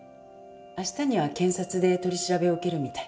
明日には検察で取り調べを受けるみたい。